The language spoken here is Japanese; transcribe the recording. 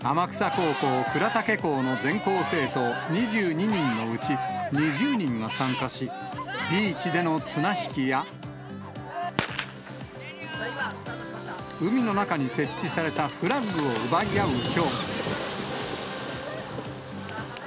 高校倉岳校の全校生徒２２人のうち２０人が参加し、ビーチでの綱引きや、海の中に設置されたフラッグを奪い合う競技。